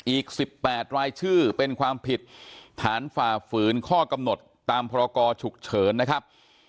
อีก๑๘รายชื่อเป็นความผิดฐานฝ่าฝืนข้อกำหนดตามพรกรฉุกเฉินนะครับ